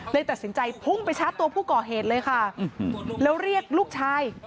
ตัดสินใจพุ่งไปชาร์จตัวผู้ก่อเหตุเลยค่ะแล้วเรียกลูกชาย